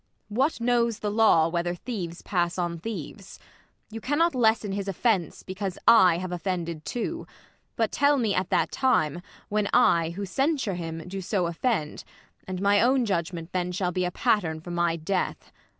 What knows the law. Whether thieves pass on thieves 1 You cannot lessen his offence, because I have offended too : but tell me at That time, Avhen I, who censure him, do so Offend ; and my own judgment then shall be A pattern for my death.